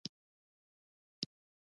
پکتيا ولايت څوارلس ولسوالۍ لري